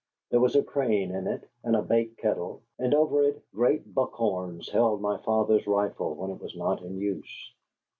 There was a crane in it, and a bake kettle; and over it great buckhorns held my father's rifle when it was not in use.